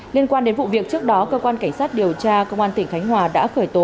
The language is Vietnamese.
liên quan đến vụ việc trước đó cơ quan cảnh sát điều tra công an tỉnh khánh hòa đã khởi tố